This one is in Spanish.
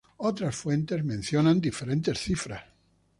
Otras fuentes mencionan diferentes cifras.